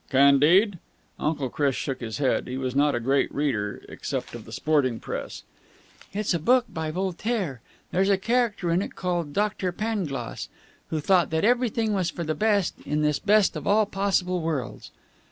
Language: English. "'Candide'?" Uncle Chris shook his head. He was not a great reader, except of the sporting press. "It's a book by Voltaire. There's a character in it called Doctor Pangloss, who thought that everything was for the best in this best of all possible worlds."